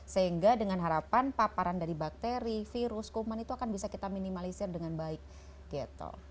sehingga dengan harapan paparan dari bakteri virus kuman itu akan bisa kita minimalisir dengan baik gitu